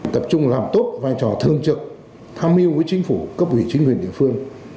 tập trung làm tốt vai trò thương trực tham mưu với chính phủ cấp ủy chính quyền địa phương